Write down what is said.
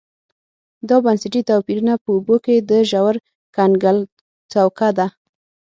دا بنسټي توپیرونه په اوبو کې د ژور کنګل څوکه ده